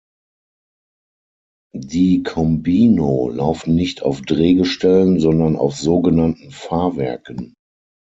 Die Combino laufen nicht auf Drehgestellen, sondern auf sogenannten Fahrwerken.